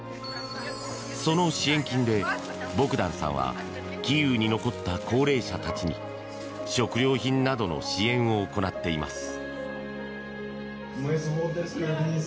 その支援金で、ボグダンさんはキーウに残った高齢者たちに食料品などの支援を行っています。